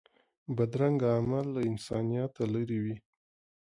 بدرنګه عمل له انسانیت لرې وي